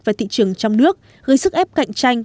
và thị trường trong nước gây sức ép cạnh tranh